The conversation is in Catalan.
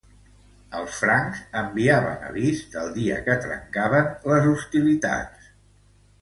Els francs enviaven avís del dia que trencaven les hostilitats.